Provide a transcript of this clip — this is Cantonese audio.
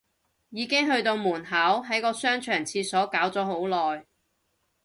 已經去到門口，喺個商場廁所搞咗好耐